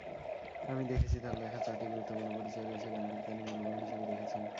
আমি দেখেছি, তাঁর লেখার চারটি গুরুত্বপূর্ণ পরিচয় রয়েছে—জ্ঞানকে তিনি মূলভূমি হিসেবে দেখেছেন।